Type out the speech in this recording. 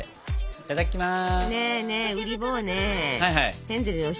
いただきます。